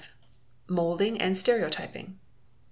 v.— Moulding and Stereotyping.